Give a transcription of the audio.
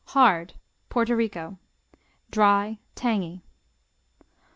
Hard Puerto Rico Dry; tangy.